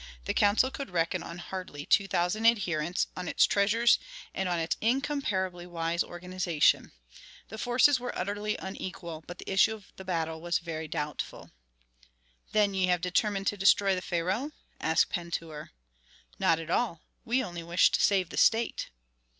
The council could reckon on hardly two thousand adherents, on its treasures and on its incomparably wise organization. The forces were utterly unequal, but the issue of the battle was very doubtful. "Then ye have determined to destroy the pharaoh?" asked Pentuer. "Not at all. We only wish to save the state."